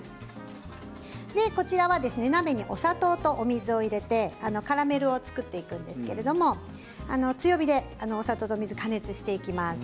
こちらは鍋にお砂糖と水を入れてカラメルを作っていくんですけれど強火でお砂糖と水を加熱していきます。